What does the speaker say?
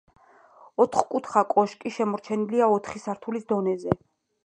ოთხკუთხა კოშკი შემორჩენილია ოთხი სართულის დონეზე.